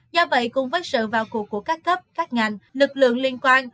do vậy cùng với sự vào cuộc của các cấp các ngành lực lượng liên quan